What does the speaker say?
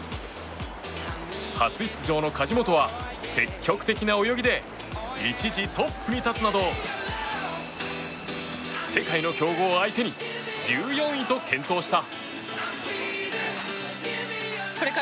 初出場の梶本は積極的な泳ぎで一時、トップに立つなど世界の強豪を相手に１４位と健闘した。